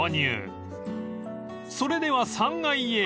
［それでは３階へ］